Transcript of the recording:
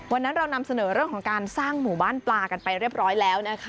วันนั้นเรานำเสนอเรื่องของการสร้างหมู่บ้านปลากันไปเรียบร้อยแล้วนะคะ